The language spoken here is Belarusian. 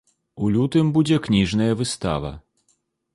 У лютым будзе кніжная выстава.